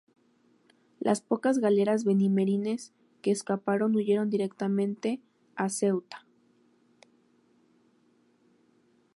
Las pocas galeras benimerines que escaparon huyeron directamente a Ceuta.